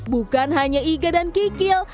bukan hanya iga dan kikil